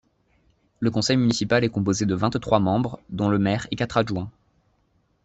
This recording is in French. Le conseil municipal est composé de vingt-trois membres dont le maire et quatre adjoints.